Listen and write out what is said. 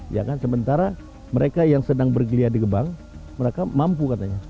ya kan sementara mereka yang sedang bergeliat di gebang mereka mampu katanya